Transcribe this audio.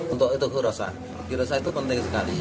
untuk itu kurosan kurosan itu penting sekali